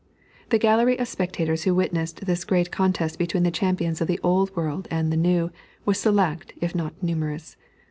The gallery of spectators who witnessed this great contest between the champions of the Old World and the New, was select, if not numerous.